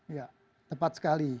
iya tepat sekali